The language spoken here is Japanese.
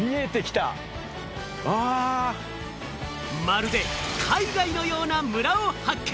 まるで海外のような村を発見！